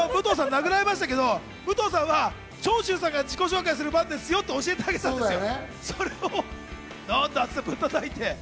殴られましたけど、武藤さんは長州さんが自己紹介する番ですよって、教えてあげたんですよ。